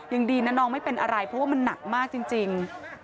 ยังดีนะน้องไม่เป็นอะไรเพราะว่ามันหนักมากจริง